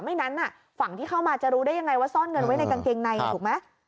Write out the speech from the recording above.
ไม่นั้นฝั่งที่เข้ามาจะรู้ได้ยังไงว่าซ่อนเงินไว้ในกางเกงในถูกไหม